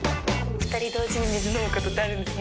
２人同時に水飲むことってあるんですね。